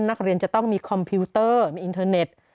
นักเรียนจะต้องมีคอมพิวเตอร์มีอินเทอร์เน็ต